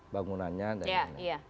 bangunannya dan lain lain